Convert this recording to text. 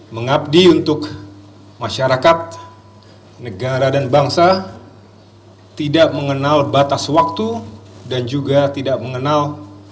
mengabdi untuk masyarakat negara dan bangsa tidak mengenal batas waktu dan juga tidak mengenal